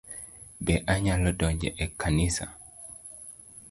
Be anyalo donjo e kanisa?